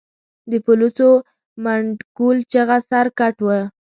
د پلوڅو، منډکول چغه سر، ګټ و